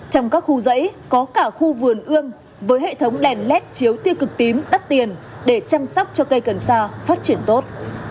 trong các khu dãy có cả khu vườn ươm với hệ thống đèn led chiếu tiêu cực tím đắt tiền để chăm sóc cho cây cần sa phát triển tốt